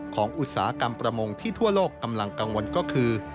อุตสาหกรรมประมงที่ทั่วโลกกำลังกังวลก็คือ